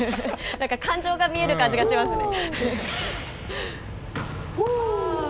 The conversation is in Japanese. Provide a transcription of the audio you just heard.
なんか感情が見える感じがしますね。